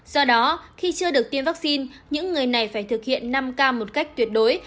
do đó khi chưa được tiêm vaccine những người này phải thực hiện năm k một cách tuyệt đối